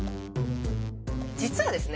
実はですね